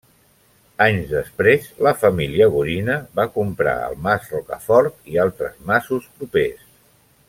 Anys després la família Gorina va comprar el mas Rocafort i altres masos propers.